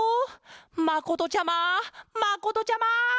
まことちゃままことちゃま！